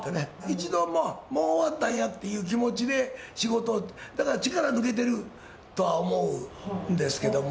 一度もう、もう終わったんやっていう気持ちで、仕事、だから力抜けてるとは思うんですけども。